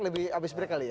lebih habis break kali ya